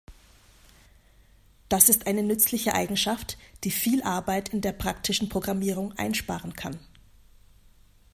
Das ist eine nützliche Eigenschaft, die viel Arbeit in der praktischen Programmierung einsparen kann.